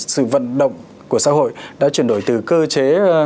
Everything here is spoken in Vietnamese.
sự vận động của xã hội đã chuyển đổi từ cơ chế